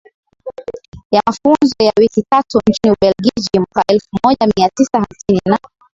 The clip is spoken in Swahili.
ya mafunzo ya wiki tatu nchini Ubeljiji mwaka elfu moja mia tisa hamsini na